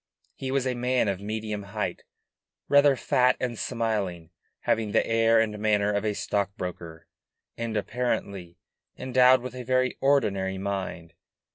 He was a man of medium height, rather fat and smiling, having the air and manner of a stock broker, and apparently endowed with a very ordinary mind.